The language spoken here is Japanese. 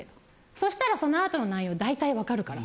そしたらそのあとの内容大体分かるから。